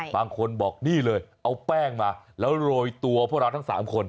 บางคนบอกนี่เลยเอาแป้งมาแล้วโรยตัวพวกเราทั้ง๓คน